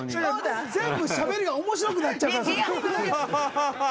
全部しゃべりが面白くなっちゃうから。